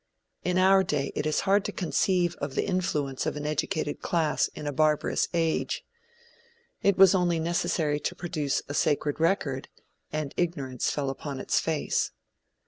In our day it is hard to conceive of the influence of an educated class in a barbarous age. It was only necessary to produce the "sacred record," and ignorance fell upon its face.